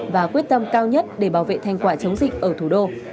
và quyết tâm cao nhất để bảo vệ thành quả chống dịch ở thủ đô